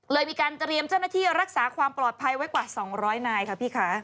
มีการเตรียมเจ้าหน้าที่รักษาความปลอดภัยไว้กว่า๒๐๐นายค่ะพี่คะ